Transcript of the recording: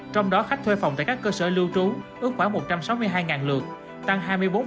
trong đó khách thuê phòng tại các cơ sở lưu trú ước khoảng một trăm sáu mươi hai lượt tăng hai mươi bốn